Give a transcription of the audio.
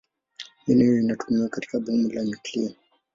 Mbinu hiyo inatumiwa katika bomu la nyuklia.